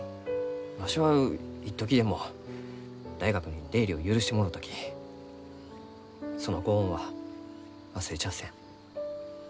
わしは一時でも大学に出入りを許してもろうたきそのご恩は忘れちゃあせん。